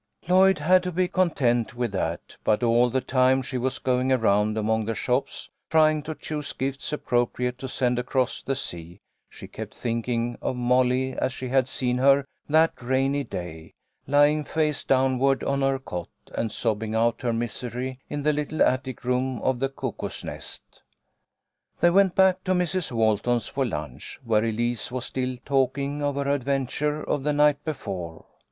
Lloyd had to be content with that, but all the time she was going around among the shops, trying to choose gifts appropriate to send across the sea, she kept thinking of Molly as she had seen her that rainy day, lying face downward on her cot and sob bing out her misery in the little attic room of the Cuckoo's Nest. They went back to Mrs. Walton's for lunch, where Elise was still talking of her adventure of the night before.